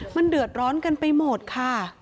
มันเดือดร้อนกันไปหมดค่ะ